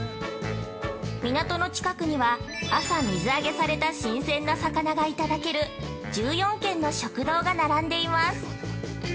港の近くには朝水揚げされた新鮮な魚がいただける１４軒の食堂が並んでいます。